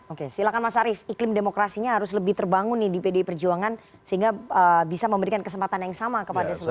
oke silahkan mas arief iklim demokrasinya harus lebih terbangun nih di pdi perjuangan sehingga bisa memberikan kesempatan yang sama kepada semua